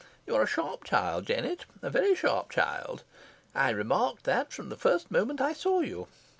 You are a sharp child, Jennet a very sharp child. I remarked that from the first moment I saw you.